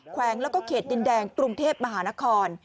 แวงแล้วก็เขตดินแดงกรุงเทพมหานคร